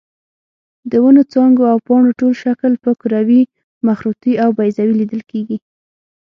د ونو څانګو او پاڼو ټول شکل په کروي، مخروطي او بیضوي لیدل کېږي.